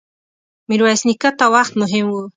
ميرويس نيکه ته وخت مهم و.